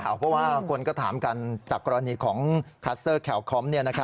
เพราะว่าคนก็ถามกันจากกรณีของคัสเตอร์แคลคอม